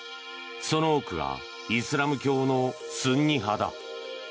その多くがイスラム教のスンニ派だ。